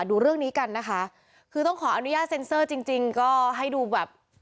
ดูเรื่องนี้กันนะคะคือต้องขออนุญาตเซ็นเซอร์จริงจริงก็ให้ดูแบบ